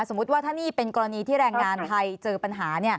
ว่าถ้านี่เป็นกรณีที่แรงงานไทยเจอปัญหา